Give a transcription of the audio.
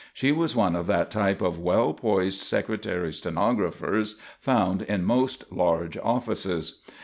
She was one of that type of well poised secretary stenographers found in most large offices.